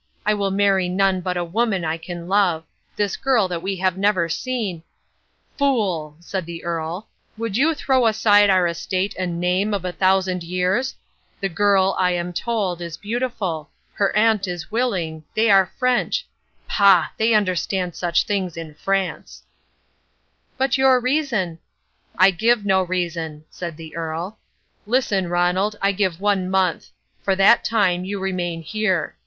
I will marry none but a woman I can love. This girl that we have never seen—" Illustration: "Henceforth you are no father of mine. I will get another." "Fool," said the Earl, "would you throw aside our estate and name of a thousand years? The girl, I am told, is beautiful; her aunt is willing; they are French; pah! they understand such things in France." "But your reason—" "I give no reason," said the Earl. "Listen, Ronald, I give one month. For that time you remain here.